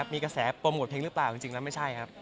มีกระแสโปรโมทเพลงหรือเปล่าจริงแล้วไม่ใช่ครับ